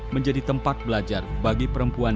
menjadi tempat belajar bagi perempuan